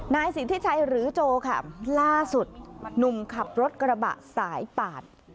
นายสิทธิชัยหรือโจค่ะล่าสุดหนุ่มขับรถกระบะสายปาด